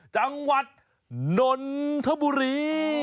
จังหวัดนนทบุรี